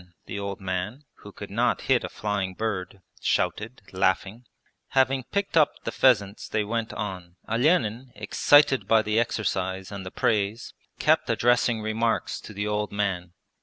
the old man (who could not hit a flying bird) shouted, laughing. Having picked up the pheasants they went on. Olenin, excited by the exercise and the praise, kept addressing remarks to the old man.